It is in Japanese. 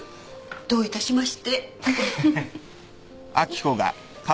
どういたしまして。